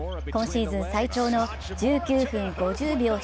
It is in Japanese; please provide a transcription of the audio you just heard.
今シーズン最長の１９分５０秒